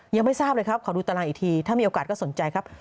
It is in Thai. ยังไม่ทราบเลยครับขอดูตารางอีกทีถ้ามีโอกาสก็สนใจครับ